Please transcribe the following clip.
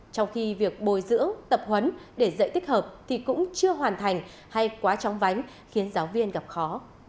trong khi việc bồi dưỡng tập huấn để dạy tích hợp thì cũng chưa hoàn thành hay quá chóng vánh khiến giáo viên gặp khó